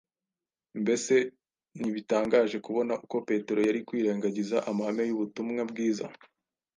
mbese ntibitangaje kubona uko Petero yari kwirengagiza amahame y’ubutumwa bwiza